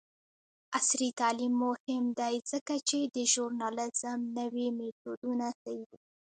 عصري تعلیم مهم دی ځکه چې د ژورنالیزم نوې میتودونه ښيي.